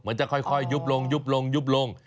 มันจะค่อยยุบลงรูปลง